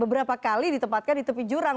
beberapa kali ditempatkan di tepi jurang